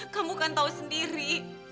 kamu kan tahu sendiri